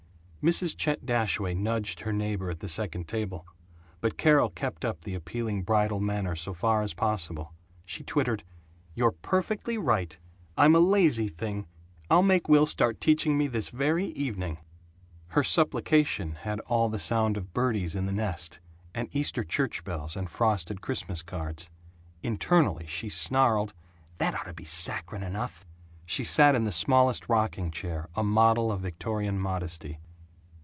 Mrs. Chet Dashaway nudged her neighbor at the second table. But Carol kept up the appealing bridal manner so far as possible. She twittered, "You're perfectly right. I'm a lazy thing. I'll make Will start teaching me this very evening." Her supplication had all the sound of birdies in the nest, and Easter church bells, and frosted Christmas cards. Internally she snarled, "That ought to be saccharine enough." She sat in the smallest rocking chair, a model of Victorian modesty.